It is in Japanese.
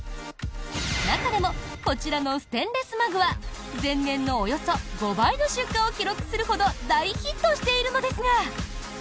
中でもこちらのステンレスマグは前年のおよそ５倍の出荷を記録するほど大ヒットしているのですが。